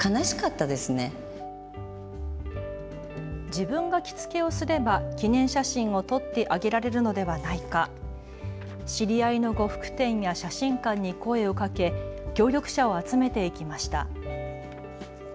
自分が着付けをすれば記念写真を撮ってあげられるのではないか、知り合いの呉服店や写真館に声をかけ協力者を集めていきました。